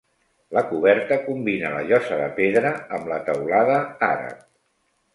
La coberta combina la llosa de pedra amb la teulada àrab.